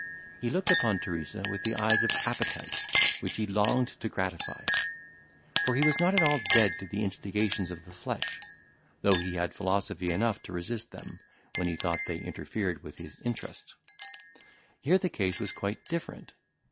He looked upon Teresa with the eyes of appetite, which he longed to gratify; for he was not at all dead to the instigations of the flesh, though he had philosophy enough to resist them, when he thought they interfered with his interest. Here the case was quite different.